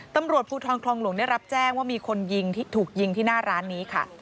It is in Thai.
ตำรวจภูทรคลองหลวงได้รับแจ้งว่ามีคนยิงถูกยิงที่หน้าร้านนี้ค่ะ